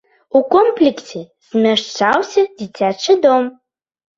У комплексе змяшчаўся дзіцячы дом.